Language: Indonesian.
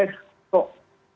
selamat sore pak